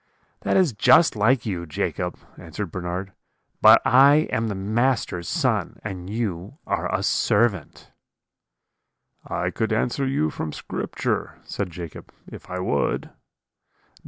"'That is just like you, Jacob,' answered Bernard; 'but I am the master's son, and you are a servant.' "'I could answer you from Scripture,' said Jacob, 'if I would.'